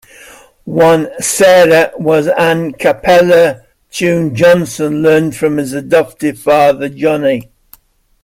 One, "Sarah", was an a cappella tune Johnson learned from his adoptive father Johnny.